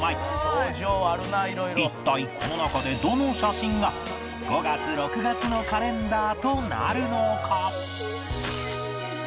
一体この中でどの写真が５月６月のカレンダーとなるのか？